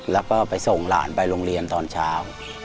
แล้วก็ไปส่งหลานไปโรงเรียนตอนเช้า